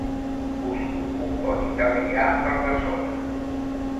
Busco un bon italià per la zona.